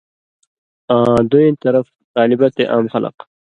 آں دُوئیں طرف طالبہ تے عام خلق